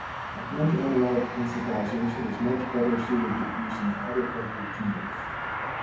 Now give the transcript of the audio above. Like many analog synthesizers, it was much better-suited to producing "otherworldly" timbres.